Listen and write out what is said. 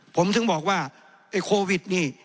ผมถึงบอกว่าไอ้โควิดนี่